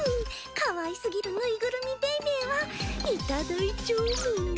かわいすぎるぬいぐるみベイベーはいただいちゃうもんね！